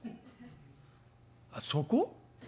「あっそこ？